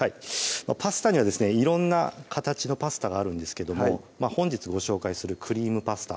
パスタにはですね色んな形のパスタがあるんですけども本日ご紹介する「クリームパスタ」